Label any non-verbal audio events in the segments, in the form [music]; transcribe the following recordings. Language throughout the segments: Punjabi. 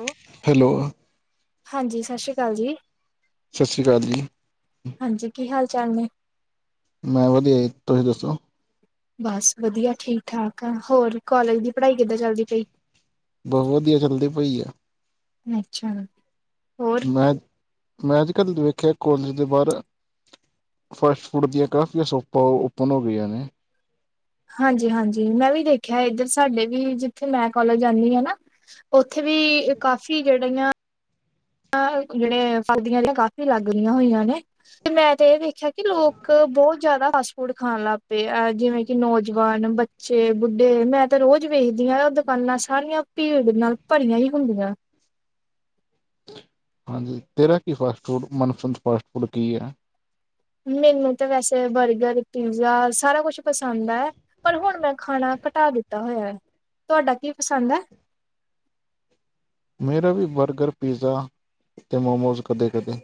ਹੈਲੋ। ਹੈਲੋ। ਹਾਂਜੀ, ਸਤਿ ਸ਼੍ਰੀ ਅਕਾਲ ਜੀ। ਸਤਿ ਸ਼੍ਰੀ ਅਕਾਲ ਜੀ। ਹਾਂਜੀ, ਕੀ ਹਾਲ-ਚਾਲ ਨੇ? ਮੈਂ ਵਧੀਆ ਜੀ, ਤੁਸੀਂ ਦੱਸੋ? ਬਸ ਵਧੀਆ, ਠੀਕ-ਠਾਕ ਆ, ਹੋਰ ਕਾਲਜ ਦੀ ਪੜ੍ਹਾਈ ਕਿੱਦਾਂ ਚੱਲਦੀ ਪਈ? ਬਹੁਤ ਵਧੀਆ ਚੱਲਦੀ ਪਈ ਆ। ਅੱਛਾ। ਹੋਰ ਮੈਂ, ਮੈਂ ਅੱਜ ਕੱਲ੍ਹ ਵੇਖਿਆ ਕਾਲਜ ਦੇ ਬਾਹਰ ਫਾਸਟ ਫੂਡ ਦੀਆਂ ਕਾਫੀਆਂ ਸੋਪਾਂ, ਓਪਨ ਹੋ ਗਈਆਂ ਨੇ। ਹਾਂਜੀ ਹਾਂਜੀ, ਮੈਂ ਵੀ ਦੇਖਿਆ ਇੱਧਰ ਸਾਡੇ ਵੀ, ਜਿੱਥੇ ਮੈਂ ਕੋਾਲਜ ਜਾਣੀ ਹ ਨਾ ਉੱਥੇ ਵੀ, ਕਾਫੀ ਜਿਹੜੀ ਆ ਜਿਹੜੇ ਫਲਦੀਆਂ ਨੇ ਕਾਫੀ ਲੱਗ ਰਹੀਆਂ ਹੋਈਆਂ ਨੇ, ਤੇ ਮੈਂ ਤੇ ਇਹ ਦੇਖਿਆ ਕਿ ਲੋਕ, ਬਹੁਤ ਜਿਆਦਾ ਫਾਸਟ ਫੂੜ ਖਾਣ ਲੱਗ ਪਏ ਆ, ਜਿਵੇਂ ਕਿ ਨੌਜਵਾਨ, ਬੱਚੇ, ਬੁੱਢੇ, ਮੈਂ ਤਾਂ ਰੋਜ਼ ਵੇਖਦੀ ਹਾਂ ਉ ਦੁਕਾਨਾਂ ਸਾਰੀਆਂ, ਭੀੜ ਨਾਲ ਭਰੀਆਂ ਹੀ ਹੁੰਦੀਆਂ। ਹਾਂਜੀ, ਤੇਰਾ ਕੀ ਫਾਸਟ ਫੂਡ, ਮਨਪਸੰਦ ਫਾਸਟ ਫੂਡ ਕੀ ਹੈ? ਮੈਨੂੰ ਤਾਂ ਵੈਸੇ ਬਰਗਰ, ਪੀਜ਼ਾ, ਸਾਰਾ ਕੁਛ ਪਸੰਦ ਹੈ। ਪਰ ਹੁਣ ਮੈਂ ਖਾਣਾ ਘਟਾ ਦਿੱਤਾ ਹੋਇਆ ਹੈ, ਤੁਹਾਡਾ ਕੀ ਪਸੰਦ ਹੈ? ਮੇਰਾ ਵੀ ਬਰਗਰ, ਪੀਜ਼ਾ ਅਤੇ ਮੋਮੋਸ, ਕਦੇ-ਕਦੇ।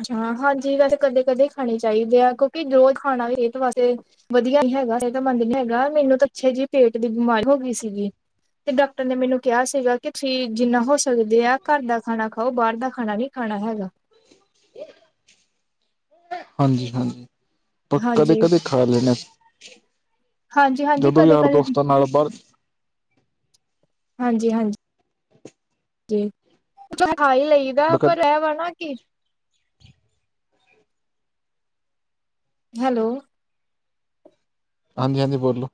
ਅੱਛਾ, ਹਾਂਜੀ ਵੈਸੇ ਕਦੇ-ਕਦੇ ਖਾਣੇ ਚਾਹੀਦੇ ਆ, ਕਿਉਂਕਿ ਰੋਜ਼ ਖਾਣਾ ਵੀ ਇਹ ਤਾਂ ਵੈਸੇ ਵਧੀਆ ਨੀ ਹੈਗਾ, ਸਿਹਤਮੰਦ ਨੀ ਹੈਗਾ, ਮੈਨੂੰ ਤਾਂ ਅੱਛੇ ਜਿਹੀ ਪੇਟ ਦੀ ਬਿਮਾਰੀ ਹੋ ਗਈ ਸੀਗੀ। ਤੇ ਡਾਕਟਰ ਨੇ ਮੈਨੂੰ ਕਿਹਾ ਸੀਗਾ, ਕਿ ਤੁਸੀਂ ਜਿੰਨਾ ਹੋ ਸਕਦੇ ਆ ਘਰ ਦਾ ਖਾਣਾ ਖਾਓ, ਬਾਹਰ ਦਾ ਖਾਣਾ ਨੀ ਖਾਣਾ ਹੈਗਾ। ਹਾਂਜੀ, ਹਾਂਜੀ। ਪਰ ਕਦੇ ਹਾਂਜੀ, ਕਦੇ ਖਾ ਲੈਣੇ ਹ, ਹਾਂਜੀ-ਹਾਂਜੀ ਜਦੋਂ ਯਾਰ ਕਦੇ-ਕਦੇ ਦੋਸਤਾਂ ਨਾਲ ਬਾਹਰ ਹਾਂਜੀ ਹਾਂਜੀ, ਜੀ, ਖਾ ਹੀ ਲਈਦਾ ਬਕਤ ਪਰ ਇਹ ਵਾ ਨਾ ਕੀ ਹੈਲੋ। ਹਾਂਜੀ ਹਾਂਜੀ, ਬੋਲੋ।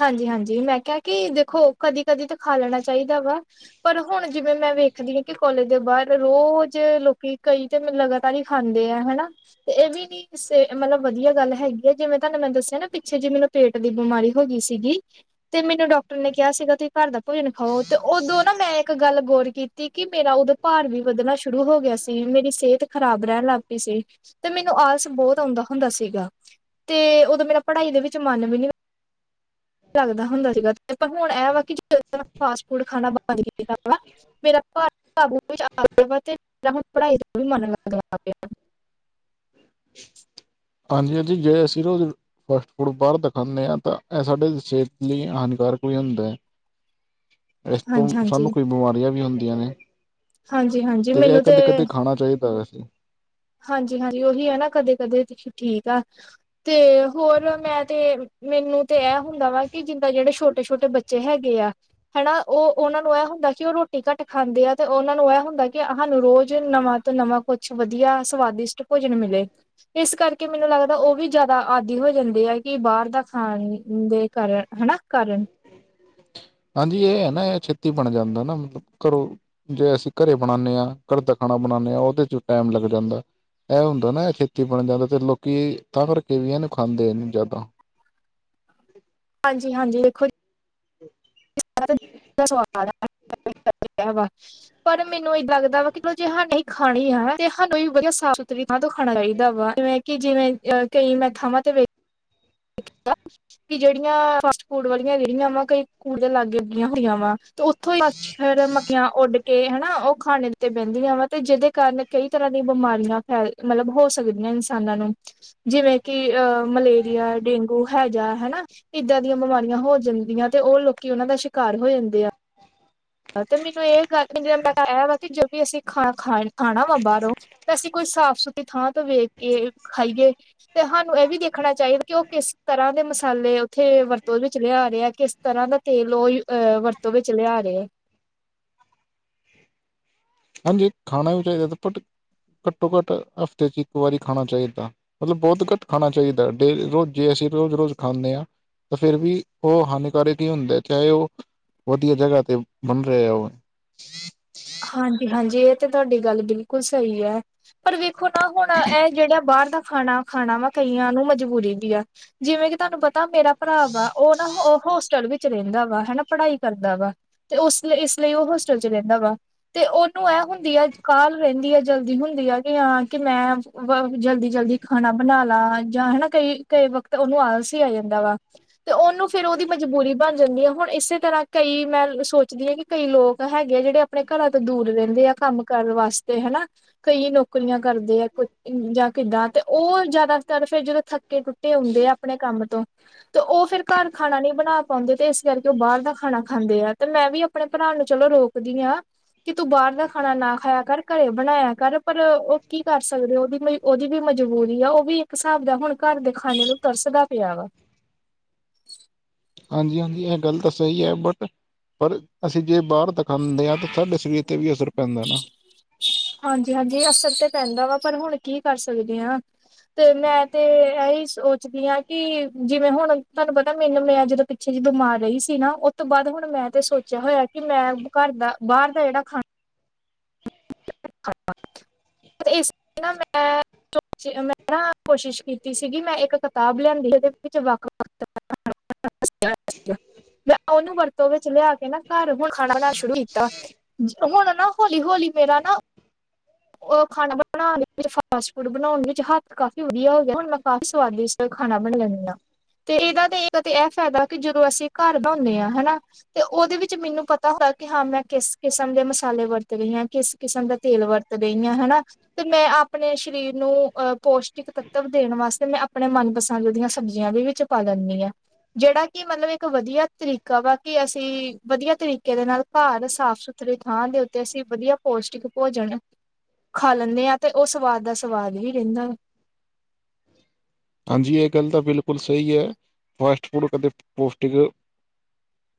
ਹਾਂਜੀ ਹਾਂਜੀ, ਮੈਂ ਕਿਹਾ ਕਿ ਦੇਖੋ ਕਦੀ ਕਦੀ ਤਾਂ ਖਾ ਲੈਣਾ ਚਾਹੀਦਾ ਵਾ ਪਰ ਹੁਣ ਜਿਵੇਂ ਮੈਂ ਵੇਖਦੀ ਹਾਂ, ਕਿ ਕੋਲਜ ਦੇ ਬਾਹਰ ਰੋਜ਼ ਲੋਕੀ ਕਈ ਤੇ ਲਗਾਤਾਰ ਹੀ ਖਾਂਦੇ ਆ, ਹਨਾ। ਤੇ ਇਹ ਵੀ ਨਹੀਂ ਕਿਸੇ ਮਤਲਬ ਵਧੀਆ ਗੱਲ ਹੈਗੀ ਹੈ, ਜਿਵੇਂ ਤੁਹਾਨੂੰ ਮੈਂ ਦੱਸਿਆ ਨਾ ਪਿੱਛੇ ਜਿ ਮੈਨੂੰ ਪੇਟ ਦੀ ਬਿਮਾਰੀ ਹੋ ਗਈ ਸੀਗੀ, ਤੇ ਮੈਨੂੰ ਡਾਕਟਰ ਨੇ ਕਿਹਾ ਸੀਗਾ ਤੁਸੀਂ ਘਰ ਦਾ ਭੋਜਨ ਖਾਓ ਤੇ ਉਦੋਂ ਨਾ ਮੈਂ ਇੱਕ ਗੱਲ ਗੌਰ ਕੀਤੀ, ਕਿ ਮੇਰਾ ਉਦਾ ਭਾਰ ਵੀ ਵੱਧਣਾ ਸ਼ੁਰੂ ਹੋ ਗਿਆ ਸੀ, ਮੇਰੀ ਸਿਹਤ ਖ਼ਰਾਬ ਰਹਿਣ ਲੱਗ ਪਈ ਸੀ। ਤੇ ਮੈਨੂੰ ਆਲਸ ਬਹੁਤ ਆਉਂਦਾ ਹੁੰਦਾ ਸੀਗਾ, ਤੇ ਉਦੋਂ ਮੇਰਾ ਪੜ੍ਹਾਈ ਦੇ ਵਿੱਚ ਮਨ ਵੀ ਨੀ ਲੱਗਦਾ ਹੁੰਦਾ ਸੀਗਾ, ਤੇ ਪਰ ਹੁਣ ਇਹ ਵਾ ਕਿ ਜਿੱਦਾਂ ਜਿੱਦਾਂ ਮੈਂ ਫਾਸਟ ਫੂਡ ਖਾਣਾ ਬੰਦ ਕੀਤਾ ਵਾ ਮੇਰਾ ਭਾਰ ਆ ਵਾ, ਤੇ ਮੇਰਾ ਹੁਣ ਪੜ੍ਹਾਈ 'ਚ ਵੀ ਮਨ ਲਗਦਾ ਪਿਆ। ਹਾਂਜੀ ਹਾਂਜੀ, ਜੇ ਅਸੀ ਰੋਜ਼ ਫਾਸਟ ਫੂਡ ਬਾਹਰ ਦਾ ਖਾਂਦੇ ਹਾਂ, ਤਾਂ ਇਹ ਸਾਡੇ ਸਿਹਤ ਲਈ ਹਾਨੀਕਾਰਕ ਵੀ ਹੁੰਦਾ ਹੈ। ਇਸ ਤੋਂ ਹਾਂਜੀ ਹਾਂਜੀ ਸਾਨੂੰ, ਕੋਈ ਬਿਮਾਰੀਆਂ ਵੀ ਹੁੰਦੀਆਂ ਨੇ। ਹਾਂਜੀ ਹਾਂਜੀ ਤੇ ਐ, ਮੈਨੂੰ ਕਦੇ-ਕਦੇ ਖਾਣਾ ਚਾਹੀਦਾ ਵੈਸੇ। ਹਾਂਜੀ-ਹਾਂਜੀ, ਉਹੀ ਹੈ ਨਾ ਕਦੇ-ਕਦੇ ਠੀਕ ਆ। ਤੇ ਹੋਰ ਮੈਂ ਤੇ, ਮੈਨੂੰ ਤੇ ਐਂ ਹੁੰਦਾ ਵਾ ਕਿ ਜਿੰਦਾਂ ਜਿਹੜੇ ਛੋਟੇ-ਛੋਟੇ ਬੱਚੇ ਚੇ ਹੈਗੇ ਆ। ਹਣਾ, ਉਹ ਉਹਨਾਂ ਨੂੰ ਐ ਹੁੰਦਾ ਕਿ ਉਹ ਰੋਟੀ ਘੱਟ ਖਾਂਦੇ ਆ, ਤੇ ਉਹਨਾਂ ਨੂੰ ਐ ਹੁੰਦਾ ਕਿ ਹਾਨੂੰ ਰੋਜ਼ ਨਵਾਂ ਤੋਂ ਨਵਾਂ ਕੁਛ ਵਧੀਆ, ਸਵਾਦਿਸ਼ਟ ਭੋਜਨ ਮਿਲੇ। ਇਸ ਕਰਕੇ ਮੈਨੂੰ ਲੱਗਦਾ ਉਹ ਵੀ ਜ਼ਿਆਦਾ ਆਦਿ ਹੋ ਜਾਂਦੇ ਆ, ਕਿ ਬਾਹਰ ਦਾ ਖਾਣ ਦੇ ਕਾਰਨ ਹਣਾ, ਕਾਰਨ ਹਾਂਜੀ ਏ ਐ ਨਾ, ਇਹ ਛੇਤੀ ਬਣ ਜਾਂਦਾ ਨਾ ਮਤਲਬ ਘਰੋਂ ਜੇ ਅਸੀਂ ਘਰੇ ਬਣਾਂਨੇ ਆ, ਘਰਦਾ ਖਾਣਾ ਬਣਾਂਨੇ ਆ, ਉਹਦੇ'ਚ ਟਾਈਮ ਲੱਗ ਜਾਂਦਾ। ਐ ਹੁੰਦਾ ਨਾ ਐ ਛੇਤੀ ਬਣ ਜਾਂਦਾ, ਤੇ ਲੋਕੀ ਤਾਂ ਕਰਕੇ ਵੀ ਇਹਨੂੰ ਖਾਂਦੇ ਨੀ ਜਿਆਦਾ। ਹਾਂਜੀ-ਹਾਂਜੀ, ਵੇਖੋ ਹ [inaudible] [unintelligible] ਪਰ ਮੈਨੂੰ ਏ ਲੱਗਦਾ ਵਾ, ਕਿਲ ਜੇ ਅਸੀਂ ਖਾਣਾ ਹੀ ਆ ਤੇ ਸਾਨੂੰ ਵਧੀਆ ਸਾਫ਼-ਸੁਥਰੀ ਥਾਂ ਤੋਂ ਖਾਣਾ ਚਾਹੀਦਾ ਵਾ, ਜਿਵੇਂ ਕਿ ਜਿਵੇਂ, ਅਹ ਕਈ ਮੈਂ ਥਾਵਾਂ ਤੇ ਵੇਖਿਆ, ਕਿ ਜਿਹੜੀਆਂ ਫਾਸਟ-ਫੂਡ ਵਾਲੀਆਂ ਰੇਹੜੀਆਂ ਵਾ, ਕਈ ਕੂੜੇ ਦੇ ਲਾਗੇ ਹੋਈਆਂ ਵਾ। ਤੇ ਉੱਥੋਂ ਹੀ, ਮੱਛਰ-ਮੱਖੀਆਂ ਉੱਡਕੇ ਇਹ ਹਣਾ, ਉਹ ਖਾਣੇ ਤੇ ਬਹਿੰਦੀਆਂ ਵਾ ਤੇ ਜਿਹਦੇ ਕਾਰਨ ਕਈ ਤਰ੍ਹਾਂ ਦੀਆਂ ਬਿਮਾਰੀਆਂ ਫੈਲ ਮਤਲਬ ਹੋ ਸਕਦੀਆਂ ਇਨਸਾਨਾਂ ਨੂੰ, ਜਿਵੇਂ ਕਿ ਅਹ ਮਲੇਰੀਆ, ਡੇਂਗੂ ਓ ਹੈਜਾ ਹਨਾ, ਇੱਦਾਂ ਦੀਆਂ ਬਿਮਾਰੀਆਂ ਹੋ ਜਾਂਦੀਆਂ ਤੇ ਉਹ ਲੋਕੀ ਉਹਨਾਂ ਦਾ ਸ਼ਿਕਾਰ ਹੋ ਜਾਂਦੇ ਆ। ਤੇ ਮੈਨੂੰ ਇਹ ਗੱਲ ਮੈਂਨੂੰ ਐ ਵਾ ਕਿ ਜੋਵੀ ਅਸੀਂ ਖਾਣ, ਖਾਣਾ ਵਾ ਬਾਹਰੋਂ ਤੇ ਅਸੀਂ ਕੋਈ, ਸਾਫ਼-ਸੁਥਰੀ ਥਾਂ ਤੋਂ ਵੇਖਕੇ ਖਾਈਏ। ਤੇ ਹਾਨੂੰ ਇਹ ਵੀ ਦੇਖਣਾ ਚਾਹੀਦਾ ਕਿ, ਉਹ ਕਿਸ ਤਰ੍ਹਾਂ ਦੇ ਮਸਾਲੇ ਉੱਥੇ ਵਰਤੋਂ ਵਿੱਚ ਲਿਆ ਰਹੇ ਆ, ਕਿਸ ਤਰ੍ਹਾਂ ਦਾ ਤੇਲ ਉਹ ਅਹ, ਵਰਤੋਂ ਵਿੱਚ ਲਿਆ ਰਹੇ ਆ। ਹਾਂਜੀ, ਖਾਣਾ ਵੀ ਚਾਹੀਦਾ ਬਟ ਘੱਟੋ-ਘੱਟ ਹਫ਼ਤੇ'ਚ ਇੱਕ ਵਾਰੀ ਖਾਣਾ ਚਾਹੀਦਾ। ਮਤਲਬ ਬਹੁਤ ਘੱਟ ਖਾਣਾ ਚਾਹੀਦਾ, ਡੇ ਰੋਜ਼ ਜੇ ਅਸੀਂ ਰੋਜ਼-ਰੋਜ਼ ਖਾਂਨੇ ਆ ਤੇ ਫਿਰ ਵੀ, ਉਹ ਹਾਨੀਕਾਰਕ ਹੀ ਹੁੰਦੇ ਆ, ਚਾਹੇ ਉਹ ਵਧੀਆ ਜਗ੍ਹਾ ਤੇ, ਬਣ ਰਿਹਾ ਆ ਉਹ। ਹਾਂਜੀ-ਹਾਂਜੀ, ਇਹ ਤੇ ਤੁਹਾਡੀ ਗੱਲ ਬਿਲਕੁਲ ਸਹੀ ਐ। ਪਰ ਵੇਖੋ ਨਾ, ਹੁਣ ਐ ਜਿਹੜਾ ਬਾਹਰ ਦਾ ਖਾਣਾ, ਖਾਣਾ ਵਾ ਕਈਆਂ ਨੂੰ ਮਜਬੂਰੀ ਵੀ ਆ, ਜਿਵੇਂ ਕਿ ਤੁਹਾਨੂੰ ਪਤਾ ਮੇਰਾ ਭਰਾ ਵਾ ਉਹ ਨਾ ਹੋਸਟਲ ਵਿੱਚ ਚ ਰਹਿੰਦਾ ਵਾ, ਹੈਨਾ ਪੜ੍ਹਾਈ ਕਰਦਾ ਵਾ, ਤੇ ਉਸ, ਇਸ ਲਈ ਉਹ ਹੋਸਟਲ'ਚ ਰਹਿੰਦਾ ਵਾ। ਤੇ ਉਹਨੂੰ ਐ ਹੁੰਦੀ ਆ, ਕਾਲ ਰਹਿੰਦੀ ਆ ਜਲਦੀ ਹੁੰਦੀ ਆ, ਕਿ ਹਾਂ ਕਿ ਮੈਂ ਜਲਦੀ-ਜਲਦੀ ਖਾਣਾ ਬਣਾਲਾਂ, ਜਾਂ ਹਨਾ ਕਈ ਵਕਤ ਉਹਨੂੰ ਆਲਸ ਈ ਆ ਜਾਂਦਾ ਵਾ। ਤੇ ਉਹਨੂੰ ਫਿਰ, ਉਹਦੀ ਮਜਬੂਰੀ ਬਣ ਜਾਂਦੀ ਆ ਹੁਣ ਤੇ ਇਸੇ ਤਰ੍ਹਾਂ ਕਈ ''ਮੈਂ ਸੋਚਦੀ ਆ ਕਿ ਕਈ ਲੋਕ ਹੈਗੇ ਜਿਹੜੇ ਆਪਣੇ ਘਰਾਂ ਤੋਂ ਦੂਰ ਰਹਿੰਦੇ ਆ, ਕੰਮ ਕਰਨ ਵਾਸਤੇ ਹਨਾ। ਕਈ ਨੌਕਰੀਆਂ ਕਰਦੇ ਆ, ਜਾ ਕਿੱਦਾਂ ਤੇ ਉਹ ਜਿਆਦਾਤਰ ਫਿਰ ਜਦੋਂ ਥੱ ਥੱਕੇ-ਟੁੱਟੇ ਆਂਉਦੇ ਆ, ਆਪਣੇ ਕੰਮ ਤੋ। ਤੇ ਉਹ ਫਿਰ ਘਰ ਖਾਣਾ ਨਹੀਂ ਬਣਾ ਪਾਉਂਦੇ, ਤੇ ਇਸ ਕਰਕੇ ਉਹ ਬਾਹਰ ਦਾ ਖਾਣਾ ਖਾਂਦੇ ਆ, ਤੇ ''ਮੈਂ ਵੀ ਆਪਣੇ ਭਰਾ ਨੂੰ ਚੱਲੋ ਰੋਕ ਕਦੀਆਂ ਕਿ ਤੂੰ ਬਾਹਰ ਦਾ ਖਾਣਾ ਨਾ ਖਾਇਆ ਕਰ, ਘਰੇ ਬਣਾਇਆ ਕਰ ਪਰ ਉਹ ਕੀ ਕਰ ਸਕਦੇ ਉਹਦੀ ਮਜ ਓਹਦੀ ਵੀ ਮਜਬੂਰੀ ਆ, ਉਹ ਵੀ ਇੱਕ ਹਿਸਾਬ ਦਾ ਹੁਣ ਘਰ ਦੇ ਖਾਨੇ ਨੂੰ ਤਰਸਦਾ ਪਿਆ ਵਾ। ਹਾਂਜੀ-ਹਾਂਜੀ, ਇਹ ਗੱਲ ਤਾਂ ਸਹੀ ਹੈ ਬਟ ਪਰ ਅਸੀਂ ਜੇ ਬਾਹਰ ਦਾ ਖਾਂਦੇ ਆ ਤਾ ਸਾਡੇ ਸ਼ਰੀਰ ਤੇ ਵੀ ਅਸਰ ਪੈਂਦਾ ਨਾ। ਹਾਂਜੀ-ਹਾਂਜੀ ਅਸਰ ਤੇ ਪੈਂਦਾ ਵਾ ਪਰ ਹੁਣ ਕੀ ਕਰ ਸਕਦੇ ਆ। ਤੇ ਮੈਂ ਤੇ ਐਹੀ ਸੋਚਦੀ ਹਾਂ ਕਿ ਜਿਵੇਂ ਹੁਣ ਤਾਨੂੰ ਪਤਾ ਮੈਨੂੰ ਵੀ ਮੈ ਜਦੋ ਪਿੱਛੇ ਜਦੋ ਬਿਮਾਰ ਰਹੀ ਸੀ ਨਾ ਉਸ ਤੋਂ ਬਾਅਦ ਹੁਣ ਮੈਂ ਤੇ ਸੋਚਿਆ ਹੋਇਆ ਕਿ ਮੈਂ ਘੱਰ ਦਾ ਬਾਹਰ ਦਾ ਜੇੜਾ ਖਾਣੀ [inaudible] ਅੱਛਾ ਇਸ ਲਈ ਨਾ ਮੈਂ ਮੈਂ ਨਾ ਕੋਸ਼ਿਸ਼ ਕੀਤੀ ਸੀਗੀ ਮੈਂ ਇੱਕ ਕਤਾਬ ਲਿਆਂਦੀ ਸੀਗੀ ਓਦੇ ਵਿਚ ਵੱਖ-ਵੱਖ ਤਰ੍ਹਾਂ ਮੈਂ ਓਨੂੰ ਵਰਤੋਂ ਵਿੱਚ ਲਯਾ ਕੇ ਨਾ ਘਰ ਹੁਣ ਖਾਣਾ ਬਣਾਣਾ ਸ਼ੁਰੂ ਕੀਤਾ ਹੁਣ ਨਾ ਹੌਲੀ-ਹੌਲੀ ਮੇਰਾ ਨਾ ਓ ਖਾਣਾ ਬਣਾਣ ਵਿੱਚ ਫਾਸਟ ਫੂਡ ਬਣਾਉਣ ਵਿੱਚ ਹੱਥ ਕਾਫੀ ਵਧੀਆ ਹੋ ਗਿਆ ਹੁਣ ਮੈਂ ਕਾਫੀ ਸਵਾਦਿਸ਼ਟ ਖਾਣਾ ਬਣ ਲੈਂਣੇ ਹਾਂ ਤੇ ਏਦਾ ਤੇ ਇੱਕ ਤੇ ਐ ਫਾਇਦਾ ਕਿ ਜਦੋਂ ਅਸੀਂ ਘਰ ਬਣਾਓਣੇ ਹਾਂ ਹੈਨਾ ਤੇ ਓਦੇ ਵਿੱਚ ਮੈਨੂੰ ਪਤਾ ਹੁੰਦਾ ਕਿ ਹਾਂ ਮੈਂ ਕਿਸ ਕਿਸਮ ਦੇ ਮਸਾਲੇ ਵਰਤ ਰੀ ਹਾਂ ਕਿਸ ਕਿਸਮ ਦਾ ਤੇਲ ਵਰਤ ਲੀ ਆਂ ਹੈਨਾ ਤੇ ਮੈਂ ਆਪਣੇ ਸਰੀਰ ਨੂੰ ਅਹ ਪੋਸ਼ਟਿਕ ਤੱਤਵ ਦੇਣ ਵਾਸਤੇ ਮੈਂ ਆਪਣੇ ਮਨਪਸੰਦ ਦੀਆਂ ਸਬਜੀਆਂ ਦੇ ਵਿੱਚ ਪਾ ਲੈਂਣੀ ਆਂ। ਜੇੜਾ ਕਿ ਮਤਲਬ ਇੱਕ ਵਧੀਆ ਤਰੀਕਾ ਵਾ ਕਿ ਅਸੀਂ ਵਧੀਆ ਤਰੀਕੇ ਦੇ ਨਾਲ ਕਾਰ ਸਾਫ਼-ਸੁਥਰੀ ਥਾਂ ਦੇ ਉੱਤੇ ਅਸੀਂ ਵਧੀਆ ਪੌਸ਼ਟਿਕ ਪੋਜਨ ਖਾ ਲੈਂਣੇ ਆਾਂ ਤੇ ਓ ਸਵਾਦ ਦਾ ਸਵਾਦ ਵੀ ਰੈੰਦਾ ਵਾ। ਹਾਂਜੀ ਏ ਗੱਲ ਤਾਂ ਬਿਲਕੁਲ ਸਹੀ ਐ ਫਾਸਟ-ਫੂਡ ਕਦੇ ਪੋਸ਼ਟਿਕ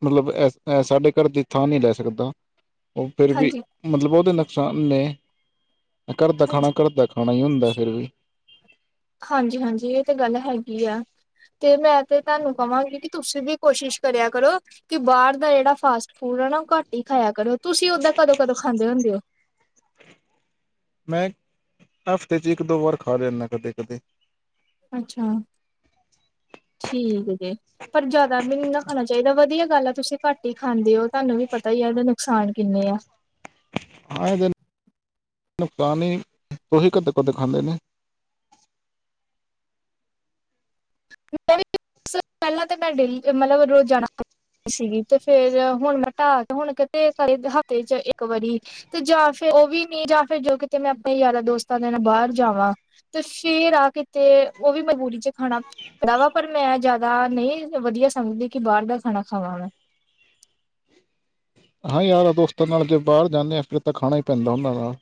ਮਤਲਬ ਅ ਸਾਡੇ ਘੱਰ ਦੀ ਥਾਂ ਨੀ ਲੈ ਸਕਦਾ। ਓ ਫਿਰ ਵੀ ਹਾਂਜੀ ਮਤਲਬ ਓਦੇ ਨੁਕਸਾਨ ਨੇ ਘੱਰ ਦਾ ਖਾਣਾ ਹਾਂਜੀ ਘੱਰ ਦਾ ਖਾਣਾ ਈ ਹੁੰਦਾ ਫਿਰ ਵੀ। ਹਾਂਜੀ-ਹਾਂਜੀ ਏ ਤੇ ਗੱਲ ਹੈਗੀ ਆ। ਤੇ ਮੈਂ ਤੇ ਤਾਨੂੰ ਕਵਾਂਗੀ ਕਿ ਤੁਸੀਂ ਵੀ ਕੋਸ਼ਿਸ਼ ਕਰੇਆ ਕਰੋ। ਕਿ ਬਾਹਰ ਦਾ ਜੇੜਾ ਫਾਸਟ-ਫੂਡ ਆ ਨਾ ਉਹ ਘੱਟ ਹੀ ਖਾਇਆ ਕਰੋ ਤੁਸੀਂ ਓਦਾਂ ਕਦੋਂ-ਕਦੋਂ ਖਾਂਦੇ ਹੁੰਦੇ ਓ? ਮੈਂ ਹਫ਼ਤੇ ਚ ਇੱਕ-ਦੋ ਵਾਰ ਖਾ ਲੈਂਣਾ ਕਦੇ-ਕਦੇ। ਅੱਛਾ। ਠੀਕ ਜੇ ਪਰ ਜ਼ਿਆਦਾ ਵੀ ਨ ਨਾ ਖਾਣਾ ਚਾਇਦਾ ਵਧੀਆ ਗੱਲ ਐ ਤੁਸੀਂ ਘੱਟ ਈ ਖਾਂਦੇ ਓ। ਤਾਨੂੰ ਵੀ ਪਤਾ ਈ ਆ ਏਦੇ ਨੁਕਸਾਨ ਕਿੰਨੇ ਆ ਹਾਂ ਐਦੇ ਨੁਕਸਾਨ ਈ ਤੁਹੀ ਕਦੋ-ਕਦੋ ਖਾਂਦੇ ਨੇ ਮੈ ਵੀ ਪੈਲਾਂ ਤਾਂ ਮੈਂ ਡੇਲੀ ਮਤਲਬ ਰੋਜ਼ ਜਾਣਾ ਸੀਗੀ ਤੇ ਫੇਰ ਹੁਣ ਮੈਂ ਢਾਹ ਕੇ ਹੁਣ ਕਿਤੇ ਕਈ ਹਫ਼ਤੇ ਚ ਇੱਕ ਵਾਰੀ ਤੇ ਜਾਂ ਫੇਰ ਓ ਵੀ ਨੀ ਜਾਂ ਫੇਰ ਜੋ ਕਿਤੇ ਮੈਂ ਆਪਣੇ ਯਾਰਾਂ- ਦੋਸਤਾਂ ਦੇ ਨਾ ਬਾਰ ਜਾਵਾਂ। ਤੇ ਫੇਰ ਆ ਕਿਤੇ ਓ ਵੀ ਮਜ਼ਬੂਰੀ ਚ ਖਾਣਾ ਪਰਾਵਾ ਪਰ ਮੈਂ ਜ਼ਿਆਦਾ ਨੀ ਵਧੀਆ ਸਮਝਦੀ ਕਿ ਬਾਰ ਦਾ ਖਾਣਾ ਖਾਵਾਂ ਮੈਂ। ਹਾਂ ਯਾਰ-ਦੋਸਤਾਂ ਨਾਲ ਜੇ ਬਾਰ ਜਾਂਦੇ ਆਾਂ ਫੇਰ ਤਾਂ ਖਾਣਾ ਹੀ ਪੈਂਦਾ ਓਨਾਂ ਨਾਲ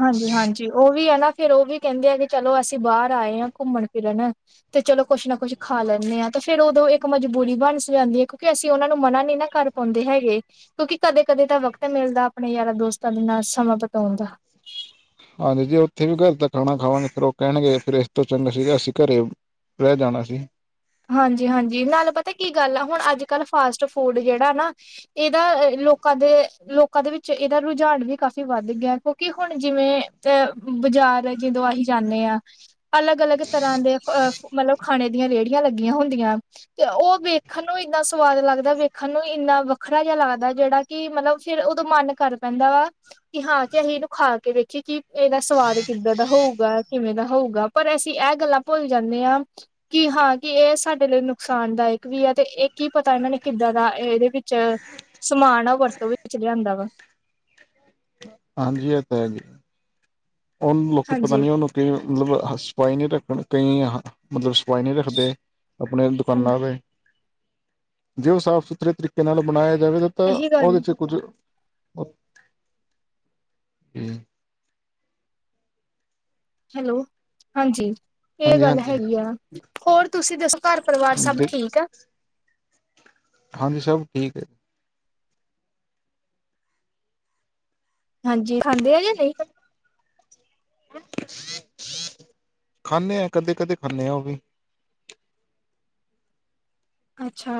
ਹਾਂਜੀ-ਹਾਂਜੀ ਓ ਵੀ ਐ ਨਾ ਫੇਰ ਓ ਵੀ ਕਹਿੰਦੇ ਆ ਕਿ ਚਲੋ ਅਸੀਂ ਬਾਹਰ ਆਏ ਹਾਂ ਕੁੰਮਣ-ਫਿਰਨ। ਤੇ ਚਲੋ ਕੁੱਛ ਨਾ ਕੁੱਝ ਖਾ ਲੈਂਣੇ ਆ ਤੇ ਫੇਰ ਉਦੋਂ ਇੱਕ ਮਜਬੂਰੀ ਬਣਸ ਜਾਂਦੀ ਐ ਕਿਉਂਕਿ ਅਸੀਂ ਓਨਾ ਨੂੰ ਮਨਾ ਨੀ ਨਾ ਕਰ ਪਾਉਂਦੇ ਹੈਗੇ ਕਿਉਂਕਿ ਕਦੇ-ਕਦੇ ਤਾਂ ਵਕਤ ਮਿਲਦਾ ਆਪਣੇ ਯਾਰਾਂ-ਦੋਸਤਾਂ ਦੇ ਨਾਲ ਸਮਾਂ ਬਿਤਾਓਣ ਦਾ। ਹਾਂਜੀ ਜੀ ਓਥੇ ਵੀ ਘੱਰ ਦਾ ਖਾਣਾ ਖਾਵਾਂਗੇ ਫੇਰ ਓ ਕਹਿਣਗੇ ਫੇਰ ਏਸ ਤੋਂ ਚੰਗਾ ਸੀਗਾ ਅਸੀਂ ਘੱਰੇ ਰੈ ਜਾਣਾ ਸੀ। ਹਾਂਜੀ-ਹਾਂਜੀ ਨਾਲ ਪਤਾ ਕੀ ਗੱਲ ਆ ਹੁਣ ਅੱਜ-ਕੱਲ ਫਾਸਟ ਫੂਡ ਜੇੜਾ ਨਾ ਏਦਾ ਲੋਕਾਂ ਦੇ ਲੋਕਾਂ ਦੇ ਵਿੱਚ ਏਦਾ ਰੁਝਾਨ ਵੀ ਕਾਫ਼ੀ ਵੱਧ ਗਯਾ ਕਿਉਂਕਿ ਹੁਣ ਜਿਵੇਂ ਤੇ ਬਜ਼ਾਰ ਜਦੋਂ ਅਸੀਂ ਜਾਂਣੇ ਆ- ਅਲੱਗ-ਅਲੱਗ ਤਰ੍ਹਾਂ ਦੇ ਅ ਮਤਲਬ ਖਾਣੇ ਦੀਆਂ ਰੇੜੀਆਂ ਲੱਗੀਆਂ ਹੁੰਦੀਆਂ। ਤੇ ਓ ਵੇਖਣ ਨੂੰ ਇੰਨਾ ਸਵਾਦ ਲੱਗਦਾ ਵੇਖਣ ਨੂੰ ਈ ਏਨਾ ਵੱਖਰਾ ਜੇਹਾ ਲੱਗਦਾ ਜੇੜਾ ਕੀ ਮਤਲਬ ਫੇਰ ਉਹਦੋਂ ਮਨ ਕਰ ਪੈਂਦਾ ਵਾ ਕਿ ਹਾਂ ਕਿ ਇਹਨੂੰ ਖਾ ਕੇ ਦੇੇਖੀਏ ਕਿ ਇਹਦਾ ਸਵਾਦ ਕਿੱਦਾਂ ਦਾ ਹੋਊਗਾ ਕਿਵੇਂ ਦਾ ਹੋਊਗਾ ਪਰ ਅਸੀਂ ਇਹ ਗੱਲਾਂ ਭੁੱਲ ਜਾਂਦੇ ਹਾਂ ਕਿ ਹਾਂ ਕਿ ਇਹ ਸਾਡੇ ਲਈ ਨੁਕਸਾਨਦਾਇਕ ਵੀ ਹੈ ਤੇ ਇਹ ਕੀ ਪਤਾ ਇਹਨਾਂ ਨੇ ਕਿੱਦਾਂ ਦਾ ਇਹਦੇ ਵਿੱਚ ਸਮਾਨ ਆ ਵਰਤੋਂ ਵਿੱਚ ਲਿਆਂਦਾ ਵਾ ਹਾਂਜੀ ਇਹ ਤਾਂ ਹੈ ਜੀ ਉਹਨੂੰ ਲੋਕੀ ਪਤਾ ਹਾਂਜੀ ਨੀ ਉਹਨੂੰ ਕਿ ਮਤਲਬ ਸਫਾਈ ਨਹੀਂੀ ਰੱਖਣ ਕਈ ਮਤਲਬ ਉ ਈ ਨਹੀਂ ਰੱਖਦੇ ਆਪਣੇ ਦੁਕਾਨਾਂ ਤੇਤੇ ਜੇ ਉਹ ਸਾਫ਼ ਸੁਥਰੇ ਤਰੀਕੇ ਨਾਲ ਬਣਾਇਆ ਜਾਵੇ ਤਾਂ ਇਹੀ ਗੱਲ ਉਹਦੇ ਚ ਕੁੱਝ ਹਮ ਹੈਲੋ ਹਾਂਜੀ ਇਹ ਗੱਲ ਹਾਂਜੀ ਹੈਗੀ ਆ ਹੋਰ ਤੁਸੀਂ ਦੱਸੋ ਘਰ ਪਰਿਵਾਰ ਸਬ ਤੇ ਠੀਕ ਆ ਹਾਂਜੀ ਸਭ ਠੀਕ ਹੈੀ ਹਾਂਜੀ ਖਾਂਦੇ ਆ ਜੇ ਨਹੀਂ ਖਾਂਦੇ ਹ ਕਦੇ ਕਦੇ ਖਾਂਦੇ ਆ ਉਹ ਵੀ ਅੱਛਾ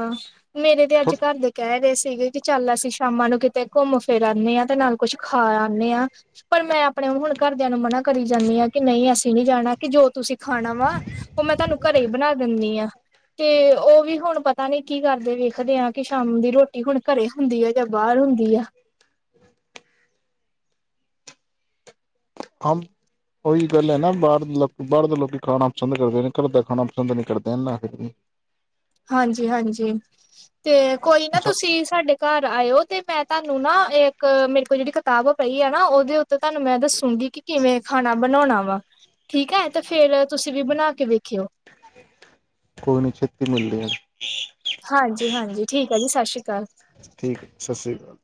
ਮੇਰੇ ਤੇ ਥੋ ਅੱਜ ਘਰ ਦੇ ਕਹਿ ਰਹੇ ਸੀਗੇ ਕਿ ਚੱਲ ਅਸੀਂ ਸ਼ਾਮਾਂ ਨੂੰ ਕਿਤੇ ਘੁੰਮ ਫਿਰ ਆਂਦੇ ਹਾਂ ਤੇ ਨਾਲ ਕੁੱਝ ਖਾ ਆਂਦੇ ਹਾਂ ਪਰ ਮੈਂ ਆਪਣੇ ਹੁਣ ਘਰਦਿਆਂ ਨੂੰ ਮਨਾ ਕਰੀ ਜਾਂਦੀ ਹਾਂ ਕਿ ਨਹੀਂ ਅਸੀਂ ਨਹੀਂੀ ਜਾਣਾ ਕਿ ਜੋ ਤੁਸੀਂ ਖਾਣਾ ਵਾ ਉਹ ਮੈਂ ਤੁਹਾਨੂੰ ਘਰੇ ਹੀ ਬਣਾ ਦਿੰਦੀ ਹਾਂ ਤੇ ਉਹ ਵੀ ਹੁਣ ਪਤਾ ਨੀ ਕੀ ਕਰਦੇ ਵੇਖਦੇ ਆਾਂ ਕਿ ਸ਼ਾਮ ਦੀ ਰੋਟੀ ਹੁਣ ਘਰੇ ਹੁੰਦੀ ਆ ਜਾਂ ਬਾਹਰ ਹੁੰਦੀ ਆ [inaudible] ਉਹੀ ਗੱਲ ਹੈ ਨਾ ਬਾਹਰ ਦੇ ਲੋਕ ਬਾਹਰ ਦੇ ਲੋਕੀ ਖਾਣਾ ਪਸੰਦ ਕਰਦੇ ਨੇ ਘਰ ਦਾ ਖਾਣਾ ਪਸੰਦ ਨਹੀਂੀ ਕਰਦੇ ਫਿਰ ਵੀ ਹਾਂਜੀ ਹਾਂਜੀ ਤੇ ਕੋਈ ਨਾ ਤੁਸੀਂ ਸਾਡੇ ਘਰ ਆਇਓ ਤੇ ਮੈਂ ਤੁਹਾਨੂੰ ਨਾ ਇੱਕ ਮੇਰੇ ਕੋਲ ਜਿਹੜੀ ਕਿਤਾਬ ਪਈ ਆ ਨਾ ਉਹਦੇ ਉੱਤੇ ਤੁਹਾਨੂੰ ਮੈਂ ਦੱਸੂਗੀ ਕਿ ਕਿਵੇਂ ਖਾਣਾ ਬਣਾਉਣਾ ਵਾ ਠੀਕ ਹੈ ਤੇ ਫੇਰ ਤੁਸੀਂ ਵੀ ਬਣਾ ਕੇ ਵੇਖਿਓ ਓਹਨੂੰ ਛੇਤੀ ਮੰਨਦੇ ਏ ਹਾਂਜੀ ਹਾਂਜੀ ਠੀਕ ਹੈ ਜੀ ਸਤਿ ਸ਼੍ਰੀ ਅਕਾਲ ਠੀਕ ਹੈ ਸਤਿ ਸ੍ਰੀ ਅਕਾਲ